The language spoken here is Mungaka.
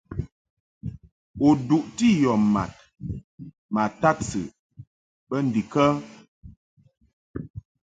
U biʼni yɔ mad ma tadsɨʼ bə ndikə ?